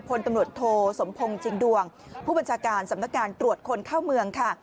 พลตำรวจโทสมพงศ์จริงดวงผู้บัญชาการสำนักงานตรวจคนเข้าเมืองค่ะ